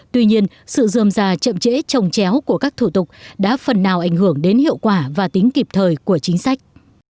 tuy nhiên sự dườm già chậm trễ trồng chéo của các thủ tục đã phần nào ảnh hưởng đến hiệu quả và tính kịp thời của chính sách